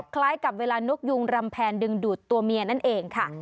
คล้ายกับเวลานกยุงรำแพนดึงดูดตัวเมียนั่นเองค่ะ